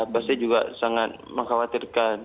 pasti juga sangat mengkhawatirkan